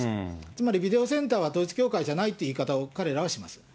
つまり、ビデオセンターは統一教会じゃないという言い方を彼らはします。